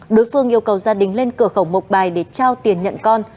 đối phương yêu cầu gia đình lên cửa khẩu mộc bài để trao tiền nhận con